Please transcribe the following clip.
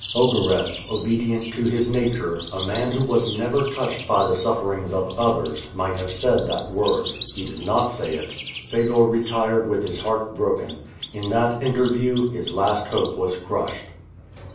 Ogareff obedient to his nature, a man who was never touched by the sufferings of others, might have said that word. He did not say it. Fedor retired with his heart broken. In that interview his last hope was crushed.